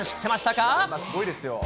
今、すごいですよ。